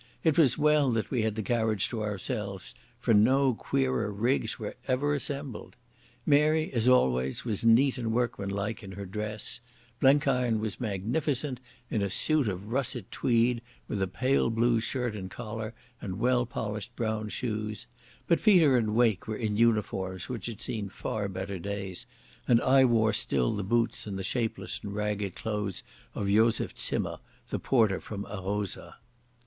It was well that we had the carriage to ourselves, for no queerer rigs were ever assembled. Mary, as always, was neat and workmanlike in her dress; Blenkiron was magnificent in a suit of russet tweed with a pale blue shirt and collar, and well polished brown shoes; but Peter and Wake were in uniforms which had seen far better days, and I wore still the boots and the shapeless and ragged clothes of Joseph Zimmer, the porter from Arosa.